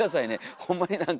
ほんまになんか